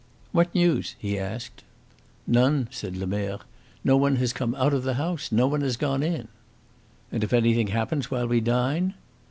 "What news?" he asked. "None," said Lemerre. "No one has come out of the house, no one has gone in." "And if anything happens while we dine?"